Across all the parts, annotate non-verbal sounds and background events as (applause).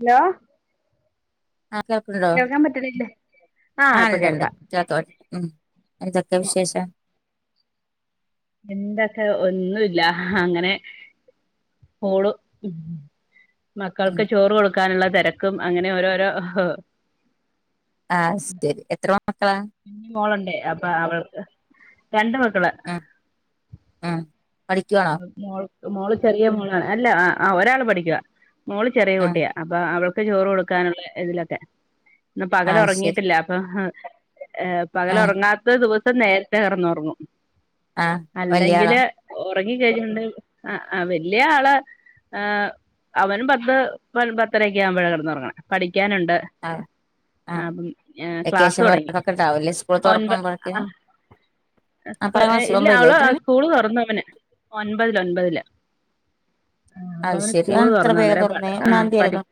Hello ആഹ് കേൾക്കാൻ പറ്റ്ണ് ഇല്ല. ആ ഉണ്ട് ഉണ്ട് കോക്കണ്ട് ഉ എന്തോകൊ വിശേഷം. എന്തൊക്കെ ഒന്നു ഇല്ല അങ്ങനെ പോണു ഉം മക്കൾക്ക് ചോറ് കൊടുക്കാനുള്ള തിരക്കും അങ്ങനെ ഓരോരോ ആഹ ശരി എത്ര മക്കളാ കുഞ് മോളുണ്ട് അപ്പൊ അവള്ക്ക് രണ്ട് മക്കള. ഉ ഉ പഠിക്കാണോ? മോൾ മോള് ചെറിയ മോള അല്ല ഒരാൾ പഠിക. മോള് ചെറിയ ഉം കുട്ടിയ അപ്പൊ അവൾക്ക് ചോറ് കൊടുക്കാനുള്ള ഇതിലൊക്കെ ഇന്ന് പകൽ ആഹ് ശരി ഉറങ്ങിയിട്ടില്ല. അപ്പൊ പകൽ ആഹ് ഉറങ്ങാത്ത ദിവസം നേരത്തെ കടന്ന്ഉറങ്ങും. ആഹ് വല്യാളോ അല്ലെങ്കില് ഉറങ്ങി കയ്ണ്ട് ആ വല്യയ ആള് ആഅവൻ പത്ത് പത്തരക്കെ ആവുമ്പോഴ കടന്ന് ഉറങ്ങണെ പഠിക്കാനുണ്ട്. ആഹ് ആ ആഹ് അപ്പം പിന്നെ ക്ലാസ്സ് വെക്കേഷൻ തുടങ്ങി. വർക്കൊക്കെ ഉണ്ടാവുംല്ലേ സ്കൂൾ ഒൻപ തുറക്കുമ്പോഴേക്ക് ആ ആഹ് പത്താം ഏ ക്ലാസ് ഇല്ല ഒമ്പതിലോ അവള് എത്രയിലാ സ്കൂള് തുറന്നു അവന് ഒൻപതില് ഒൻപതില്. ആ അപ്പൊ അത് അവന് ശരി സ്കൂള് അതെന്താ ഇത്ര തുറന്നു വേഗം അന്നേരം പ തുറന്നേ ആ ഒന്നാം തീയതി അല്ലേ പഠിക്ക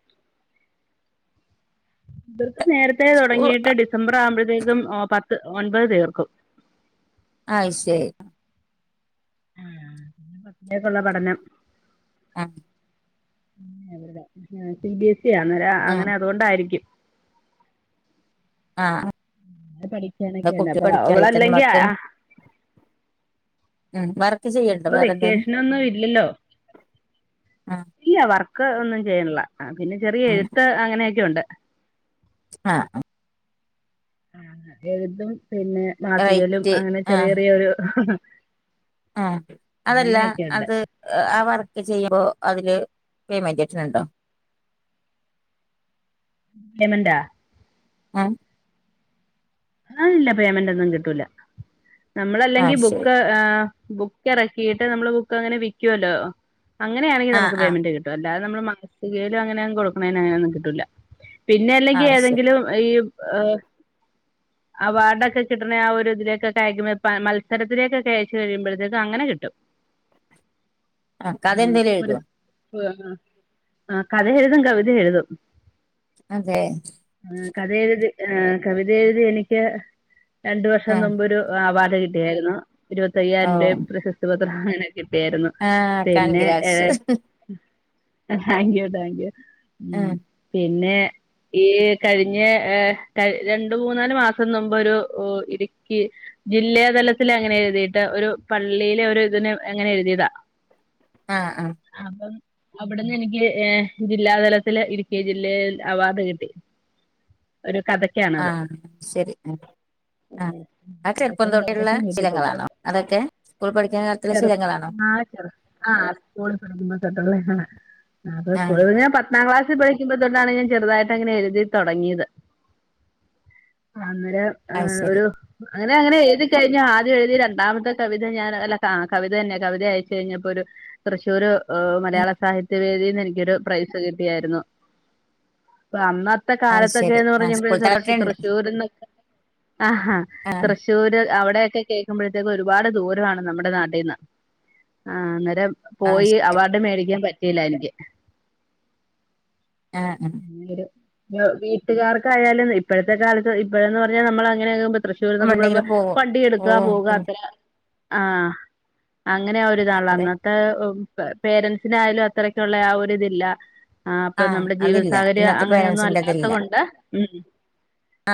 ഇവർക്ക് നേരത്തെ സ്കൂൾ തുടങ്ങിയിട്ട് ഡി ഡിസംബർ ആവുമ്പോഴത്തേക്കും പത്ത് ഒൻപത് തീർക്കും. അയ് ശരി ആ ഇനി പത്തിലൊകുളള പഠനം. ആഹ് സി ബി എസ് ഇ ആന്നര ആഹ് അങ്ങനെ അതുകൊണ്ടായിരിക്കും. ആ പഠിക്കാനൊക്കെയുണ്ട് കുട്ടി അപ്പൊ പഠിക്കാ അവളല്ലെങ്കി വക്കും ആ (inaudible) ഉം വര ഇപ്പൊ വെക്കേഷനൊന്നും ഇല്ലല്ലോ? ആഹ് ഇല്ല വർക്ക് ഒന്നും ചെയ്യില്ല പിന്നെ ചെറിയ എഴുത്ത് അങ്ങനെയൊക്കെ ഉണ്ട്. ആഹ് ആഹ് ആ എഴുതും പിന്നെ മാസികലും റൈറ്റ് അങ്ങനെ ചെറിയ ചെറിയൊരു. ഹ ആഹ അതല്ല അത് ആ വർക്ക് ചെയ്യുമ്പോ അതില് പേയ്മെന്റ് കിട്ടുന്നുണ്ടോ? പോമററ് ആഹ് ആഹ് ഇല്ല പേയ്മെന്റ് ഒന്നും കിട്ടൂല നമ്മളല്ലെങ്കി ആഹ് ശരി ബുക്ക് ആഹ് ബുക്ക് ഇറക്കിയിട്ട് നമ്മള് ബുക്ക് അങ്ങനെ വിക്കുവല്ലോ അങ്ങനെയാണെങ്കിൽ ആഹ് നമുക്ക് ആഹ് പേയ്മെന്റ് കിട്ടും അല്ലാതെ നമ്മള് മനസികൽ അങ്ങനെ കൊടുക്കണേ അങ്ങനൊന്നും കിട്ടൂല്ല പിന്നെ അല്ലെങ്കിൽ ആഹ് ശരി ഏതെങ്കിലും ഇയ് ഏഹ് അവാർഡൊക്കെ കിട്ടണേ ആ ഒരുതിലേക്കെ അയക്കുമ്പ മത്സരത്തിലേക്കെ അയച്ച് കഴുമ്പോഴത്തേക്ക് അങ്ങനെ കിട്ടും കഥ ആഹ് എന്തേലും ഒരു എഴുതോ ആഹ് ആഹ് ആഹ് കഥ എഴുതും കവിത എഴുതും അതെ ഉം കഥ എഴുതി ആഹ് കവിത എഴുതി എനിക്ക് രണ്ടു വർഷം ആഹ് മുമ്പൊരു അവാർഡ് കിട്ടിയായിരുന്നു ഓ ഇരുപത്തയ്യായിരം രൂപയും പ്രശസ്തി പത്രം അങ്ങനെ കിട്ടിയായിരുന്നു ആഹ് പിന്നെ കൺഗ്രാറ്റ്സ് ഏഹ് താങ്ക് യു താങ്ക് യു ഉം ആഹ് പിന്നെ ഈ കഴിഞ്ഞ ഏഹ് ക രണ്ട് രണ്ട് മൂന്നാൽ മാസം മുമ്പ് ഒരു ഓഹ് ഇടുക്കി ജില്ലാതലത്തില അങ്ങനെ എഴുതിയിട്ട് ഒരു പള്ളിയിലെ ഒരു ഇതിന് അങ്ങനെ എഴുതിയതാ ആഹ് ആഹ് അപ്പം അവിടെന്ന് എനിക്ക് ഏഹ് ജില്ലാതലത്തില് ഇടുക്കി ജില്ലയിൽ അവാർഡ് കിട്ടി ഒരു കഥ ആഹ് ശരി ഉം ആഹ് ആ ചെറുപ്പം കഥക്കും തോട്ടുള്ള കവിതക്കും കിട്ടിയിട്ടുണ്ട് ശീലങ്ങളാണോ അതൊക്കെ സ്കൂൾ പഠിക്കുന്ന കാലത്തിലുള്ള ശീലങ്ങളാണോ ആഹ് സ്കൂളിട്ടുള്ളേ ആഹ് അപ്പ ആഹ് സ്കൂള ഞാൻ പ പത്താം ക്ലാസ്ൽ പഠികുമ്പത്തോട്ടാണ് ഞാൻ ചെറുതായിട്ട് അങ്ങനെ എഴുതി തുടങ്ങിയത് അന്നേരം അത് ആഹ് ശരി ഒരു അങ്ങനെ അങ്ങനെ എഴുതി കഴിഞ്ഞാ അങ്ങനെ അങ്ങനെ എഴുതി കഴിഞ്ഞു ആദ്യ എഴുതി രണ്ടാമത്തെ കവിത ഞാൻ അല്ല കവിത തന്നെ കവിത അയച്ചു കഴിഞ്ഞപ്പോ ഒരു തൃശൂര് വ മലയാള സാഹിത്യ വേദിയിൽ നിന്ന് എനക്കൊരു പ്രൈസ് കിട്ടിയായിരുന്നു അപ്പ അന്ന ത്തെ അത് ശരി കാലത്തൊക്കെന്ന് ആഹ് പറഞ്ഞ സ്കൂൾ തൃശൂ തലവട്ടണ്ട് തൃശൂര്ന്ന് ആഹ് ആഹ് തൃശൂ തൃശൂർ അവിടെയൊക്കെ കേൾക്കുമ്പോഴത്തേക്ക ഒരുപാട് ദൂരമാണ് നമ്മുടെ നാട്ടിന്ന് ആഹ് അന്നേരം ആഹ് പോയി അവാർഡ് മേടിക്കാൻ പറ്റിയില്ല എനിക്ക് ആഹ് ആഹ് ഒരു വീട്ടുകാർക്കായാലും ഇപ്പോഴത്തെ കാലത്ത് ഇപ്പോഴന്ന് പറഞ്ഞാൽ നമ്മൾ അങ്ങനെ ആകുമ്പ തൃശ്ശൂർന്നൊക്കെ പറയുമ്പോ ഉണ്ടെങ്കിലും പോവും വണ്ടി ഓ എടുക്കാ പോക പിന്നെ അത്ര ആഹ് അങ്ങനെ ഒരിതാണല്ലോ അതെ അന്നത്തെ പേരൻറ്സിനായാലും അത്രക്കു ള്ള ആ ഒരിതില്ല ആഹ് അപ്പൊ നമ്മുടെ ജീവിത അതില്ല സാഹചര്യം ഇന്നത്തെ അങ്ങനെയൊന്നും പേരൻസിന്റെ അല്ലാത്ത അതില്ല കൊണ്ട് ഉം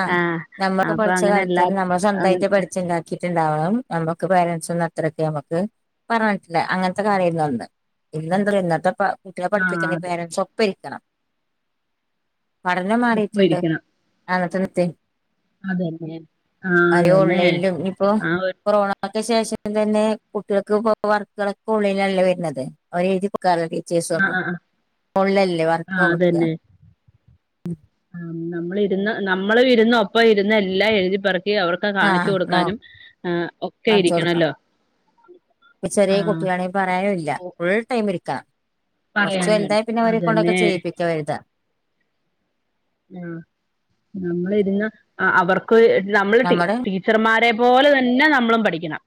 ആഹ് നമ്മുൾ അപ്പൊ പഠിച അങ്ങനെ കാലത്ത് എല്ലാ തന്നെ നമ്മള അങ്ങനെ സ്വന്തമായിട്ട് പഠിച്ചുണ്ടാക്ക കിട്ടുണ്ടാവണം നമുക്ക് പേരൻറ്സ ഒന്നും അത്രൊക്കെ നമുക്ക് പറഞ്ഞിട്ടില്ല അങ്ങനത്തെ കാര്യ ആയിരുന്നു അന്ന് ഇന്നെന്ത ഇന്നത്തെ കുട്ടിയെ ആഹ് പഠിപ്പിക്കുന്ന അതെ പേരൻറ്സ് ഒപ്പ ഇരിക്കണം പഠനം ഒപ്പം മാറിട്ടുണ്ട് ഇരിക്കണം അനത്തെത്തി അതന്നെ ആഹ് അനു അതന്നെ ഓൺലൈനിലും ഇപ്പൊ ആ ഒരു കൊറോണ ഒക്കെ ശേഷം തന്നെ കുട്ടികൾക്ക് ഇപ്പോ വർക്കുകളൊക്കെ ഉള്ളിലല്ലേ വരുന്നത് അവരെ എഴുതിപ്പക്കാറുള്ളീ ആഹ് (unintelligible) ആഹ് ആഹ് അതന്നെ (inaudible) ആ നമ്മൾ ഇരുന്ന് നമ്മള ഇരുന്ന ഒപ്പം ഇരുന്ന് എല്ലാം എഴുതിപ്പറക്കി അവർക്ക് ഒക്കെ കാണിച്ചു ആഹ് നോ കൊടുക്കാനും ആ ഒക്കെ കാണിച്ചു കൊടുക്കാം ഇരിക്കണല്ലോ ആഹ് പറയാനില്ല ഫുൾ ടൈം ഇരിക്കാം കുറച്ച പറയാനും എന്തായ പിന്നെ അവരെ കൊണ്ടൊക്കെ അതന്നെ ചെയ്യിപ്പിക്കാ വരുത ആഹ് നമ്മള് ഇരുന്ന് അവർക്ക് വേ നമ്മള് റ്റീ നമ്മുടെ റ്റീ ടീച്ചർമാരെ പോലെ തന്നെ നമ്മളും പഠിക്കണം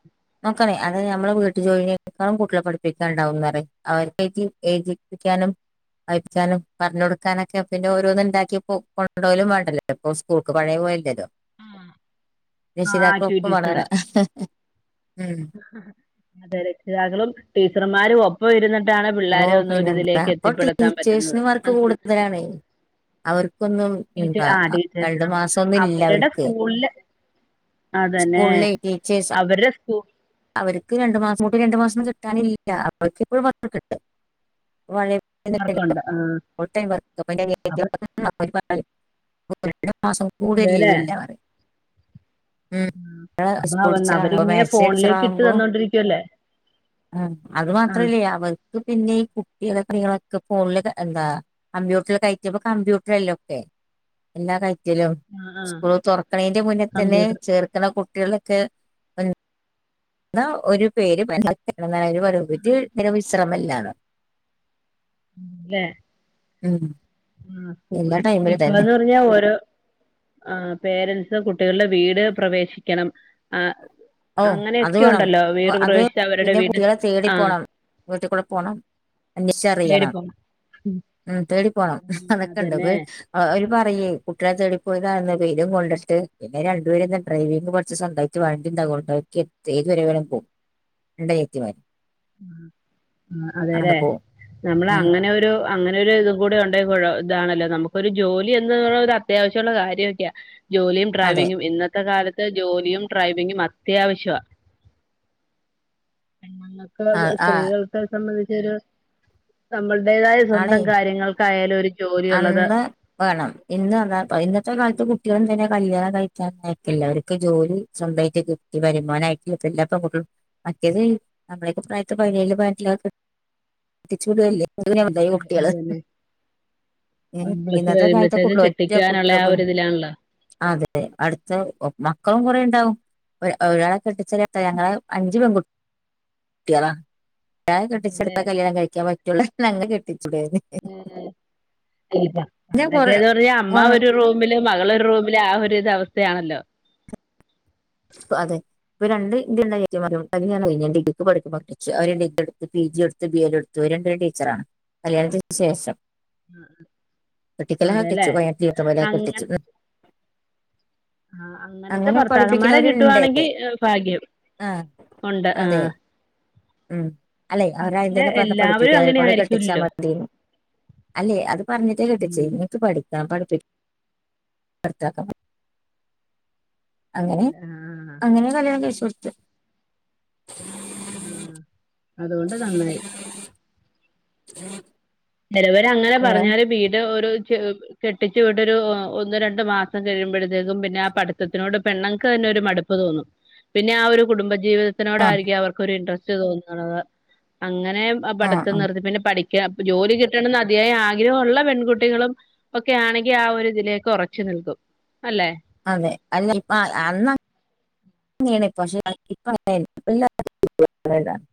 നോക്കണേ അത് നമ്മള് വീട്ടു ജോലിനേക്കാളും കൂട്ടളെ പഠിപ്പിക്കാനുണ്ടാവുന്നറയും അവർക്ക്‌ ഏ ഏജിപ്പിക്കാനും വായിപ്പിക്കാനും പറഞ്ഞു കൊടുക്കാനൊക്കെ പിന്നെ ഓരോന്നും ഉണ്ടാക്കിപ്പോ കൊണ്ടു പോവലും വേണ്ടല്ലോ ഇപ്പോൾ സ്കൂൾക്ക് പഴയ പോയല്ലല്ലോ ആഹ് രക്ഷിതാക്കൾ ഒപ്പും വന്നത ആക്ടിവിറ്റീസുകള് ഉം അതെ രക്ഷിതാക്കളും ടീച്ചർമാരും ഒപ്പ ഒപ്പം ഇരുന്നിട്ടാണ് ഓ പിള്ളോരെ പിന്നെന്താ ഒന്നുരിതിലേക്ക് അപ്പൊ എത്തിപ്പെടുത്താൻ പറ്റുന്നത് ടീച്ചേഴ്സിന് വർക്ക് കൂടുതലാണ് അവർക്കൊന്നും ടീച്ച എന്താ ആ രണ്ടു ടീച്ചേഴ്സിനും മാസം ഒന്നും ഇല്ല അവരുടെ അവർക്ക് സ്കൂളില് അതന്നെ സ്കൂളിലെ ടീച്ചേഴ്സ് അവരുടെ സ്കൂൾ അവർക്ക് രണ്ടു മാസം കൂട്ടി രണ്ടു മാസം കിട്ടാനില്ല അവർക്ക് ഇപ്പോഴും പത്രം കിട്ട പഴേ (inaudible) (unintelligible) വർക്കുണ്ട് ആഹ് അപ്പൊ മാസം കൂടി അതിൽ ലീവില്ല പറയും ഉം (unintelligible) അപ്പൊ അവൻ സ്കൂൾടിച്ചറാണോ അവരിങ്ങനെ മേശ ഫോണിലേക്ക് ഇട്ട് ടീച്ചറാവുമ്പോ തന്നോണ്ടിരിക്കുവല്ലേ അത് ആ മാത്രല്ല അവ ക്കു പിന്നെ ഈ കുട്ടികളെ കാര്യങ്ങളൊക്കെ ഫോണില് എന്താ കമ്പ്യൂട്ടർ കഴറ്റുമ്പ കമ്പ്യൂട്ടർല്ലാം ഒക്കെ എല്ലാ കര്യത്തിലും ആ സ്കൂള് തുറക്കണന്റെ മുന്നേ തന്നെ കമ്പ്യൂട്ടർ ചേർക്കണ കുട്ടികളൊക്കെ എന്നാ ഒരു പേരും എ ഒരു (inaudible) വിശ്രമല്ലാണ് ഇല്ലേ ഉം ആ എല്ലാ സ്കൂളില് ടൈമിലും തന്നെ ഇപ്പത് (unintelligible) ഓരോ ആ പേരൻറ്സ് കുട്ടികളുടെ വീട് പ്രവേശിക്കണം ആ ഓ അത് അങ്ങനെയൊക്കെ വേണം ഉണ്ടല്ലോ വീട് അത് പ്രവശിച്ച് അവരുടെ പിന്നെ വീട് കുട്ടികളെ തേടി ആഹ് പോണം വീട്ടിൽ കൂടെ പോണം അന്വേഷിച്ച് കയറി അറിയണം പോണം ഉം തേടി പോണം അതൊക്കെ ഉണ്ട് അതന്നെ ആഹ് അവര് പറയെ കുട്ടികളെ തേടിപ്പോയതാണന്ന് വെയിലും കൊണ്ടിട്ട് പിന്നെ രണ്ടുപേര എന്താ ഡ്രൈവിംഗ്പഠിച്ച് സൊന്തായി (unintelligible) രണ്ടനിയത്തിമാര് ആഹ് അതെല്ലെ നമ്മൾ ഉം അങ്ങനെരു അങ്ങനെൊ ഒരു ഇത് കൂടെ ഉണ്ടങ്കി ഇതാണല്ലോ നമുക്കൊരു ജോലി എന്നത് അത്യാവശ്യമുള്ള കാര്യമൊക്കെയാ ജോലിയും അതെ ഡ്രൈവിങ്ങും ഇന്നത്തെ കാലത്ത് ജോലിയും ഡ്രൈവിങ്ങും അത്യാവശ്യമാ ആ ആ സ്ത്രീകൾക്ക സംബന്ധിച്ചൊരു നമ്മളടേതായ ആണേ സ്വന്തം കാര്യങ്ങൾ ക്കായാലും ഒരു ജോലി ഉള്ളത് അന്ന് വേണം ഇന്ന് അതാ ഇന്നത്തെ കാലത്ത് കുട്ടികളും തന്നെ കല്യാണം കഴിക്കാൻ നടക്കില്ല അവർക്ക് ജോലി സ്വന്തമായിട്ട് കിട്ടിയ വരുമാനായിട്ട (inaudible) മറ്റേത് നമ്മളൊക്കെ പ്രായത്തെ പതിനേഴഴ്പതിനെട്ടിലൊക്ക കെട്ടിച്ച് വിടുല്ലേ അതുനൊയി കെട്ടിക്കാണ് കുട്ടികള് അതന്നെ ഏ പ്ലസ് ഇന്നത്തെ കാലത്ത കുട്ട കഴിയുമ്പോഴത്തേക്കും ഒറ്റ കെട്ടിക്കാനുള്ള കുട്ടികള് ആ പോലും ഒരിതിലാണല്ലോ അതെെ അടുത്ത മക്കളും കൊറെ ഉണ്ടാവും ഒരാള കെട്ടിച്ച ഞങ്ങള് അഞ്ച് പെൺകു കുട്ടിയാളാ ഞാൻ അതെല്ലേ കെട്ടിച്ചെടുത്താ കല്യാണം കഴിക്കാൻ പറ്റൂള്ള (unintelligible) കെട്ടിച്ചൂടേന്ന് ഏഹ് കൊറേ അന്നക്കെന്ന് പറഞ്ഞാ അമ്മ ഒരു റൂ റൂമില് മകളൊരു റൂമില് ആ ഒരു ഇത് അവസ്ഥയാണല്ലോ അതെ ഇപ്പ രണ്ട് ഇൻ്റെ അനിയത്തിമാരും (unintelligible) ഞാൻ ഡിഗ്രിക്ക് പഠിക്കുമ്പോ കെട്ടിച്ചു അവര് ഡിഗ്രി എടുത്തു പി ജി എടുത്ത് ബി എഡ് എടു (unintelligible) ഒരു ടീച്ചറാണ് കല്യാണത്തിന് ശേഷം കെട്ടിക്കലാ അതെല്ലേ കെട്ടിച്ചു (unintelligible) തീർത്ത പോലെ കെട്ടിച്ചു ഉം ആഹ് അങ്ങനത്തെ ഭർത്താക്കൻമാ മാരെ പഠിപ്പിക്കണവരുണ്ട് കിട്ടുവാണെങ്കി ഭാഗ്യം ആ ഒണ്ട് അതെ ആഹ് ഉം അല്ലെ അവരെ ആദ്യം തന്നെ പറഞ്ഞ എല്ലാവരും പഠിപ്പിക്കാ അങ്ങനെ അവരെക്കണ്ട് കെട്ടിച്ചാ ആയിരിക്കൂലല്ലോ മതീന്ന് അല്ലെ അത് പറഞ്ഞിട്ടാ കെട്ടിച്ചേ ഉം ഇങ്ങക്ക് പഠിപ്പി (unintelligible) പഠിപ്പിക്കാ ഭർത്താക്കൻമാർ അങ്ങനെ ആഹ് അങ്ങനെ കല്യാണം കഴിച്ച് കൊടുത്തെ ആഹ് അതുകൊണ്ട് നന്നായി ഉം ചെലവര് അങ്ങനെ പറഞ്ഞാലും വീട് ഒരു ചെ കെട്ടിച്ച് വിട്ടൊരു ഒ ഒന്ന് രണ്ടു മാസം കഴിയുമ്പോഴത്തേക്കും പിന്നെ ആ പഠിത്തത്തിനോട് പെണ്ണുങ്ങക്ക് തന്നെ ഒരു മടുപ്പ് പ്പ് തോന്നും പിന്നെ ആ ഒരു കുടുംബജീവിത ആഹ് ത്തിനോടയിരിക്കും അവർക്കൊരു ഇൻട്രസ്റ്റ് തോന്നണത് അങ്ങനെ ആഹ് പഠിത്തം ആഹ് നിർത്തി പിന്നെ പഠിക്കാ ജോലി കിട്ടണെന്ന് അതിയായ ആഗ്രഹം ഒള്ള പെൺകുട്ടികളും ഒക്കെ ആണെങ്കി ആ ഒരു ഇതിലേക്ക് ഒറച്ച് നിൽക്കും അല്ലെ അതെ (unintelligible) അപ്പ അന്ന് അങ്ങനെയാണിപ്പ പക്ഷെ (unintelligible)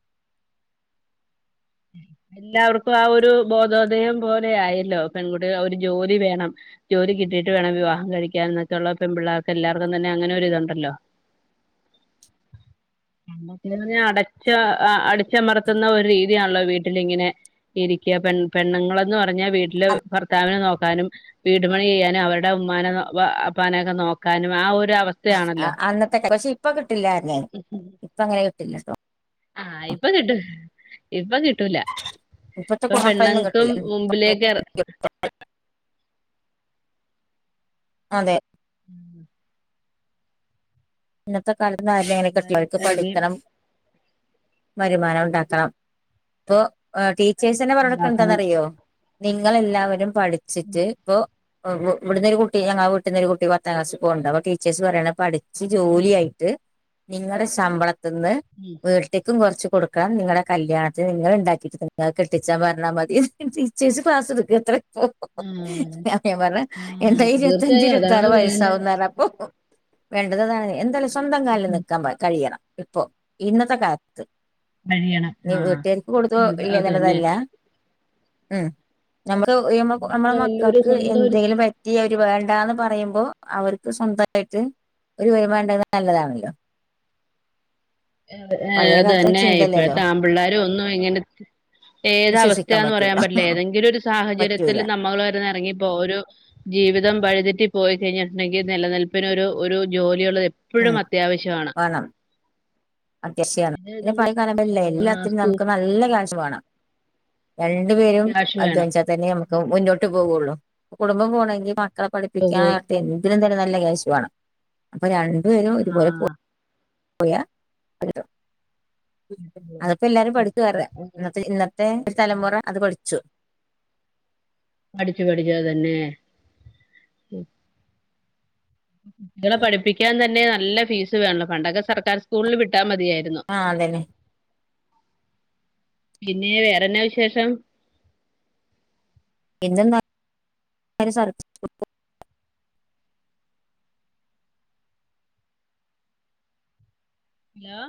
എല്ലാവർക്കും ആ ഒരു ബോധോധയം പോലെ ആയല്ലോ പെൺകുട്ടി ഒരു ഒരു ജോലി വേണം ജോലി കിട്ടിയിട്ട് വേണം വിവാഹം കഴിക്കാൻ എന്നക്കെയുള്ള പെപിള്ളേർക്ക് എല്ലാവർക്കും തന്നെ അങ്ങനെ ഒരിതുണ്ടല്ലോ അന്നക്കെന്ന് പറഞ്ഞാ അടച്ച് അ അടിച്ചമർത്തുന്ന ഒരു രീ തിയാണല്ലോ വീട്ടിലിങ്ങനെ ഇരിക്കാ പെൺ പെണ്ണുങ്ങള്ന്ന് പറ പറഞ്ഞാ വീട്ടില് ഭർത്താവിനെ നോക്കാനും വീടു പണി ചെയ്യാനും അവരുടെ ഉമ്മാനെ നോ ബാപ്പാനൊക്കെ നോക്കാനും ആ ഒരു അവസ് ആഹ് അന്നത്തെ പക്ഷെ ഇപ്പൊ കിട്ടില്ലാ ആരിനേം ഉം ഉം ഇപ്പ അങ്ങനെ കട്ടില്ലാട്ടോ ആഹ് ഇപ്പൊ കിട്ടൂ ഇപ്പൊ കിട്ടൂല ഇപ്പത്തെ ഇപ്പൊ മക്കളൊന്നും പെണ്ണുങ്ങക്കും കിട്ടില്ല മുമ്പിലേക്ക് എറ അതെ ഉം ഇന്നത്തെ കാലത്തൊന്നും ആരേം അങ്ങനെ (unintelligible) എല്ലാരും ഓൽക്ക് എറങ്ങി പഠിക്കണം വരുമാനം ഉണ്ടാക്കണം ഇപ്പോ ആഹ് ടീച്ചേഴ്സ് തന്നെ പറഞ്ഞ് കൊടുക്കാ ഇണ്ടാക്കണം എന്താന്നറിയോ നിങ്ങളെല്ലാവരും പഠിച്ചിറ്റ് ഇപ്പൊ (unintelligible) ഇവിടുന്നരു കുട്ടി ഞങ്ങളെ വീട്ട്ന്നൊരു കുട്ടി പത്താം ക്ലാസ്സി പോണ് ഇണ്ട് അപ്പ ടീച്ചേഴ്സ് പറയാണ് പഠി ച്ച് ജോലിയായിട്ട് നിങ്ങളെ ശമ്പളത്ത്ന്ന് ഉം വീട്ട്ക്കും കുറച്ച് കൊടുക്കാം നിങ്ങളെ കല്യാണത്തിൽ നിങ്ങള് ഇണ്ടാക്കിയിട്ട് നിങ്ങളെ കെട്ടിച്ചാ പറഞ്ഞാ മതി ടീച്ചേസ് ക്ലാസ് എടുക്കും അത്ര ആഹ് അപ്പോ ഞാൻ പറഞ്ഞ് ആഹ് എൻ്റെ ഇരുപത്തഞ്ച് തീർച്ചയായും അതാണ് ഇരുപത്താറ് വേണ്ടത് വയസ്സാകുംന്നറഞ്ഞപ്പോ വേണ്ടത് ഇതാണ് എന്തായാലും സ്വന്തം കാലിൽ നിക്കാൻ കഴിയണം ഇപ്പോ ഇന്നത്തെ കാലത് കഴിയണം ഇനീ ആഹ് വീട്ട്കാര്ക്ക് കൊടുത്ത് അത് തന്നെ ഇല്ലേന്നുള്ളതല്ല ഉം നമ്മക്ക് സ്വന്തം നമ്മള കാലില് ഒരു മക്കക്ക് സ്വന്തം ഒരു എന്തേലും പ റ്റിയവര് വേണ്ടാന്ന് പറയുമ്പോ അവർക്ക് സ്വന്തായിട്ട് ഒരു വരുമാനം ഉണ്ടാവണ നല്ലതാണല്ലോ. ആഹ് പഴയ കാലത്തെ അതന്നെ ചിന്തയില്ലല്ലോ ഇപ്പഴ്ത്തെ ആമ്പിള്ളേരും ഒന്നും ഇങ്ങനെ ഏത് വിശ്വസിക്കാൻ അവസ്ഥയാന്ന് പറ്റൂല പറയാൻ പറ്റില്ല ഏതെങ്കിലും ഒരു സാഹചര്യത്തിൽ പറ്റൂല നമ്മള് വരുന്ന ഇറങ്ങിപ്പോരും ജീവിതം വഴിതെറ്റി പോയി കഴിഞ്ഞിട്ടുണ്ടെങ്കിൽ നിലനിൽപ്പിന് ഒരു ജോലിയുള്ളത് എ എപ്പഴും ഉം അത്യാവശ്യമാണ് വേണം അത്യാവശ്യാണ് അത് നമ്മള് (unintelligible) ആഹ് എല്ലാത്തിനും സ്കൂ നമുക്ക് നല്ല ക്യാഷ് വേണം രണ്ടു പേരും ക്യാഷ് വേണം അധ്വനിച്ച തന്നെ നമുക്ക് മുന്നോട്ട് പോവുള്ളൂ കുടുംബം പോണെങ്കി മക്കളെ പഠിപ്പിക്കാൻ എന്തിനും തന്നെ നല്ല ക്യാഷ് വേണം അപ്പൊ രണ്ടുപരും ഒരുപോലെ പോ പോയാ ആഹ് അതിപ്പോ എല്ലാരും പഠിച്ചു (unintelligible) ഇന്നത്തെ ഇന്ന ത്തെ ഒരു തലമുറ അത് പഠിച്ചു പഠിച്ചു പഠിച്ചു അതന്നെ മക്കളെ പഠിപ്പിക്കാൻ തന്നെ നല്ല ഫീസ് വേണം പണ്ടൊക്കെ സർക്കാർ സ്കൂളി വിട്ടാൽ മതിയാരുന്നു. ആഹ് അതന്നെ പിന്നെ വേറെന്നാ വിശേഷം? പിന്നെന്താ സർ ഹലോ